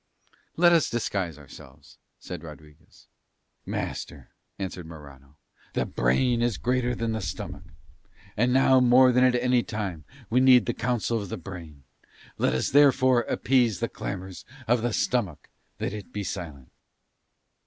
"Let us disguise ourselves," said Rodriguez. "Master," answered Morano, "the brain is greater than the stomach, and now more than at any time we need the counsel of the brain; let us therefore appease the clamours of the stomach that it be silent."